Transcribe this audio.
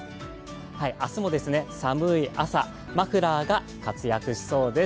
明日も寒い朝、マフラーが活躍しそうです。